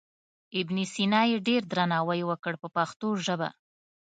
ابن سینا یې ډېر درناوی وکړ په پښتو ژبه.